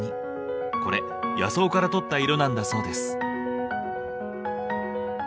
これ野草からとった色なんだそうです。